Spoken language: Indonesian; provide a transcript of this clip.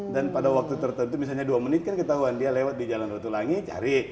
dan pada waktu tertentu misalnya dua menit kan ketahuan dia lewat di jalan rotulangi cari